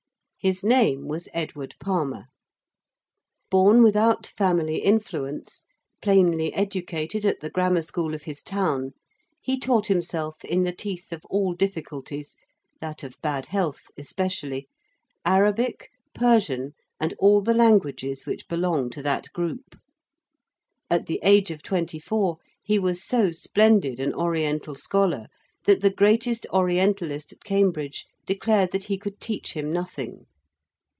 His name was Edward Palmer. Born without family influence, plainly educated at the grammar school of his town, he taught himself in the teeth of all difficulties that of bad health especially Arabic, Persian, and all the languages which belong to that group: at the age of twenty four he was so splendid an Oriental scholar that the greatest Orientalist at Cambridge declared that he could teach him nothing.